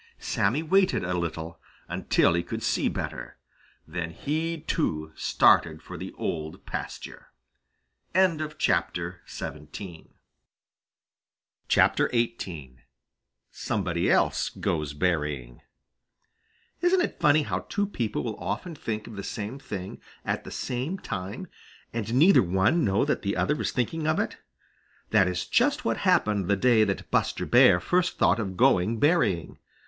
Sammy waited a little until he could see better. Then he too started for the Old Pasture. XVIII SOMEBODY ELSE GOES BERRYING Isn't it funny how two people will often think of the same thing at the same time, and neither one know that the other is thinking of it? That is just what happened the day that Buster Bear first thought of going berrying.